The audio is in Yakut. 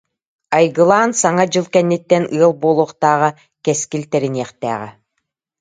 Айгылаан саҥа дьыл кэнниттэн ыал буолуохтааҕа, кэскил тэриниэхтээҕэ.